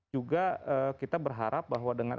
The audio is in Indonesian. juga kita berharap bahwa dengan